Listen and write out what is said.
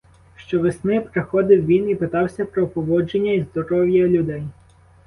Щовесни приходив він і питався про поводження й здоров'я людей.